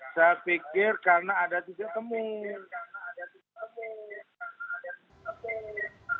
saya pikir karena ada tiga temun